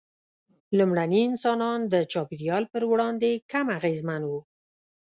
لومړني انسانان د چاپېریال پر وړاندې کم اغېزمن وو.